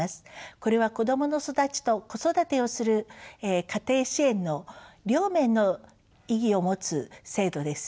これは子どもの育ちと子育てをする家庭支援の両面の意義を持つ制度です。